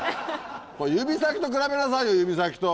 これ指先と比べなさいよ指先と。